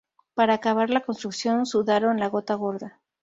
Para acabar la construcción sudaron la gota gorda